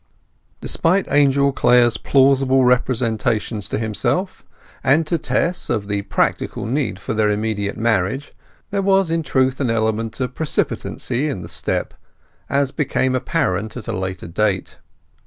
Despite Angel Clare's plausible representation to himself and to Tess of the practical need for their immediate marriage, there was in truth an element of precipitancy in the step, as became apparent at a later date.